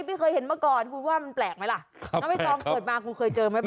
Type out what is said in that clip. ไม่เคยเห็นเมื่อก่อนคุณว่ามันแปลกไหมล่ะครับแปลกครับน้องพี่กรอบเกิดมาคุณเคยเจอไหม